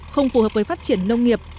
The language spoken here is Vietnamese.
không phù hợp với phát triển nông nghiệp